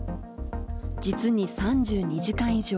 実に３２時間以上。